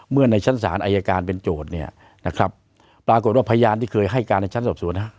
เมื่อในชั้นสารอายการเป็นโจทย์ปรากฏว่าพยานที่เคยให้การในชั้นสอบโสด